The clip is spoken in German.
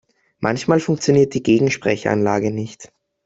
Manchmal funktioniert die Gegensprechanlage nicht.